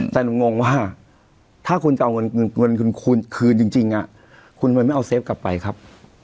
แต่หนูงงว่าถ้าคุณจะเอาเงินคุณคืนจริงคุณทำไมไม่เอาเฟฟกลับไปครับ